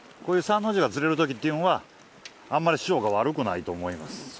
こういうサンノジが釣れるときっていうんはあんまり潮が悪くないと思います